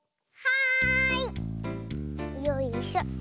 よいしょ。